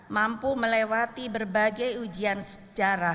mampu melewati berbagai ujian sejarah